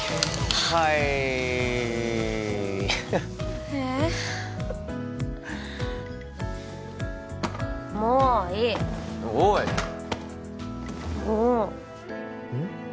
はいえっもういいおいもうっうん？